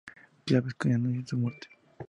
Cables que anuncian su muerte.